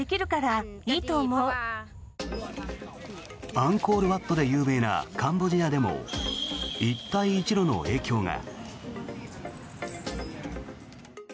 アンコールワットで有名なカンボジアでも一帯一路の影響が。